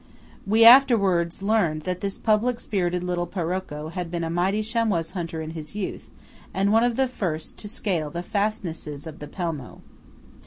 We afterwards learned that this public spirited little Parocco had been a mighty chamois hunter in his youth, and one of the first to scale the fastnesses of the Pelmo.